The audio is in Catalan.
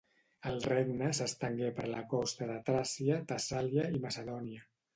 El regne s'estengué per la costa de Tràcia, Tessàlia i Macedònia.